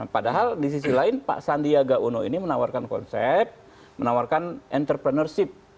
padahal di sisi lain pak sandiaga uno ini menawarkan konsep menawarkan entrepreneurship